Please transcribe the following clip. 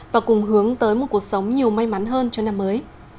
và cùng hướng tới một cuộc sống nhiều may mắn hơn cho năm mới